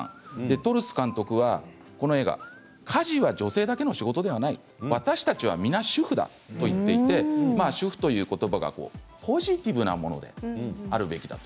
トルス監督はこの映画、家事は女性だけの仕事ではない私たちは皆主婦だと言っていて主婦ということばがポジティブなものであるべきだと。